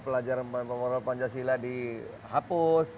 pelajaran pemerintah pancasila dihapus